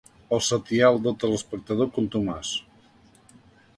El setial del teleespectador contumaç.